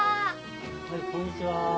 はいこんにちは。